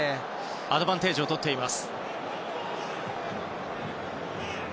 アドバンテージをとっています。